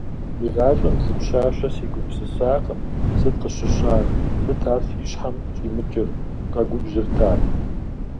ИгъащӀэм зы пщащэ сегупсысакъым, сыт къысщыщӀар, сыт ар си щхьэм щӀимыкӀыр? - къэгубжьырт ар.